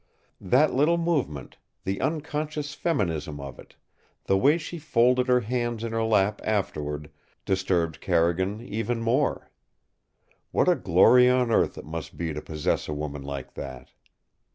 That little movement, the unconscious feminism of it, the way she folded her hands in her lap afterward, disturbed Carrigan even more. What a glory on earth it must be to possess a woman like that!